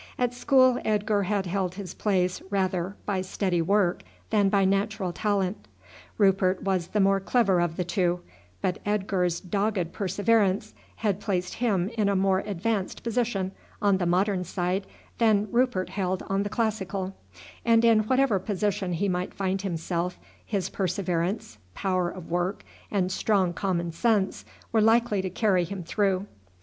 At school Edgar had held his place rather by steady work than by natural talent. Rupert was the more clever of the two, but Edgar's dogged perseverance had placed him in a more advanced position on the modern side than Rupert held on the classical, and in whatever position he might find himself his perseverance, power of work, and strong common sense were likely to carry him through.